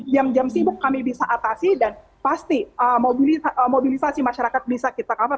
jam jam sibuk kami bisa atasi dan pasti mobilisasi masyarakat bisa kita cover